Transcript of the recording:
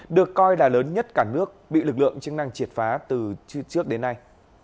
được coi là lớn nhất cả nước bị lực lượng chức năng triệt phá từ trước đến nay